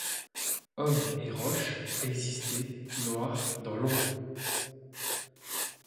Homme et roche, exister, noir dans l’ombre vivante !